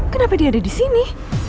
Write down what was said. kenapa dia ada di sini